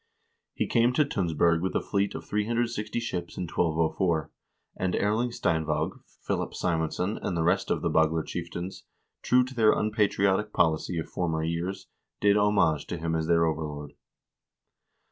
He came to Tunsberg with a fleet of 360 ships in 1204, and Erling Steinvseg, Philip Simonsson, and the rest of the Bagler chieftains, true to their unpatriotic policy of former years, did homage to him as their overlord.